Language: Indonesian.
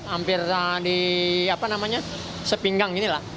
hampir di apa namanya sepinggang inilah